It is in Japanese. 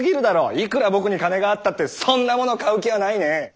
いくら僕に金があったってそんなものを買う気はないねッ。